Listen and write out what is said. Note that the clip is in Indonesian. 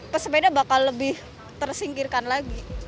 pesepeda bakal lebih tersingkirkan lagi